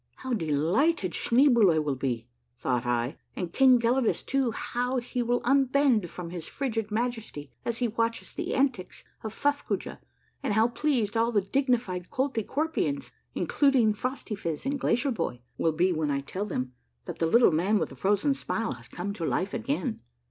How delighted Schneeboule will be I thought I, and King Gelidus too, how he will unbend from his frigid majesty as he watches the antics of Fuffcoojah, and how pleased all the digni fied Koltykwerpians, including even Phrostyphiz and Glacier bhoy, will be when I tell them that the Little Man with the Frozen Smile has come to life again